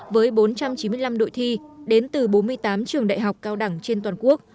với bốn trăm chín mươi năm đội thi đến từ bốn mươi tám trường đại học cao đẳng trên toàn quốc